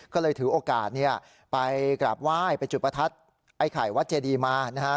ก็เลยถือโอกาสไปกราบไหว้ไปจุดประทัดไอ้ไข่วัดเจดีมานะฮะ